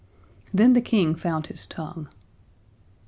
Then the King found his tongue.